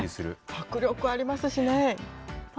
迫力ありますしね。